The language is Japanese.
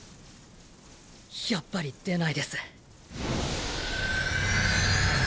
やっぱり出ないです。